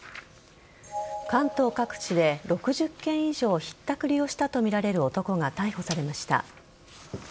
関東各地で６０件以上ひったくりをしたとみられる男が逮捕されました。